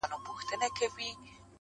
• که مي نصیب وطن ته وسو..